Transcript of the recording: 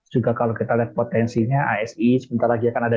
juga kalau kita lihat potensinya asi sebentar lagi akan ada